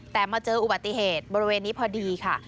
แต่มาเจออุบัติเหตุบริเวณนี้พอดีค่ะ